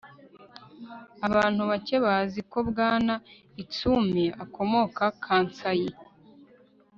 Abantu bake bazi ko Bwana Itsumi akomoka Kansai